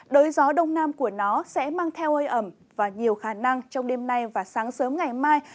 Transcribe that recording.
đới gió đông nam của nó sẽ mang theo hơi ẩm và nhiều khả năng trong đêm nay và sáng sớm ngày mai